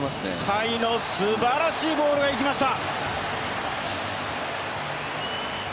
甲斐のすばらしいボールがいきました。